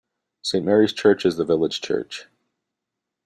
Saint Mary's Church is the village church.